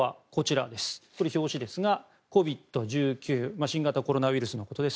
表紙ですがＣＯＶＩＤ‐１９新型コロナウイルスのことです。